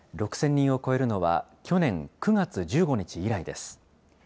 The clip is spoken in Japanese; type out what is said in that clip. ６０００人を超えるのは、去年９月１５日以来です。